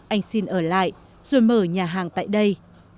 anh xin ở lại rồi mở nhà hàng tại đây